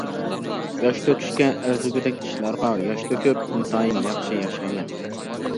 ياش تۆكۈشكە ئەرزىگۈدەك ئىشلارغا ياش تۆكۈپ، ئىنتايىن ياخشى ياشايمەن.